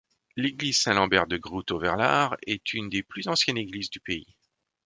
L'église Saint-Lambert de Groot-Overlaar est une des plus anciennes églises du pays.